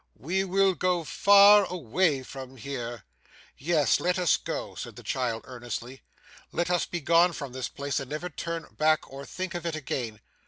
We will go far away from here.' 'Yes, let us go,' said the child earnestly. 'Let us begone from this place, and never turn back or think of it again.